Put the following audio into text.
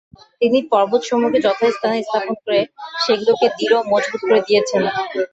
তিনি পর্বতসমূহকে যথাস্থানে স্থাপন করে সেগুলোকে দৃঢ় ও মজবুত করে দিয়েছেন।